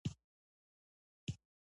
د همدې ولایت په بایان سیمه کې